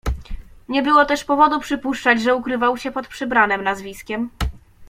"Nie było też powodu przypuszczać, że ukrywał się pod przybranem nazwiskiem."